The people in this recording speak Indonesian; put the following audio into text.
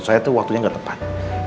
cuman karena waktunya gak tepat